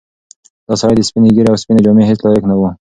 دا سړی د سپینې ږیرې او سپینې جامې هیڅ لایق نه و.